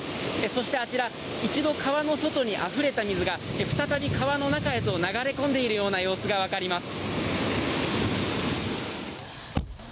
そしてあちら一度川の外にあふれた水が再び川の中へと流れ込んでいるような様子がわかります。